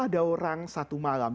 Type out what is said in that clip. ada orang satu malam